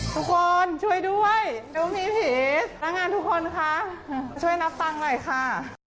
ทุกคนช่วยด้วยดูมีผีนักงานทุกคนคะช่วยนับฟังหน่อยค่ะ